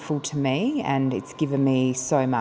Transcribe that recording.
với tên việt nam